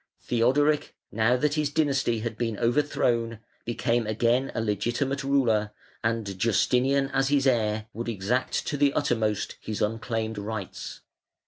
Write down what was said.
Theodoric, now that his dynasty had been overthrown, became again a legitimate ruler, and Justinian as his heir would exact to the uttermost his unclaimed rights.